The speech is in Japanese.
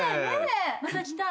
また来たい。